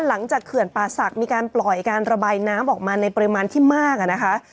เขื่อนป่าศักดิ์มีการปล่อยการระบายน้ำออกมาในปริมาณที่มากนะคะ